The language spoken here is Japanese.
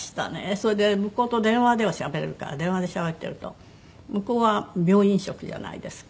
それで向こうと電話ではしゃべれるから電話でしゃべってると向こうは病院食じゃないですか。